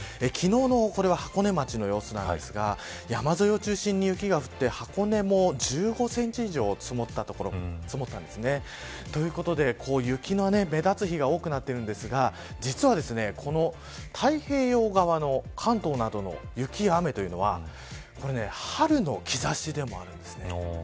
昨日のこれは箱根町の様子なんですが山沿いを中心に雪が降って箱根も１５センチ以上積もったんですね。ということで、雪の目立つ日が多くなってるんですが実は、この太平洋側の関東などの雪や雨というのはこれは春の兆しでもあるんですね。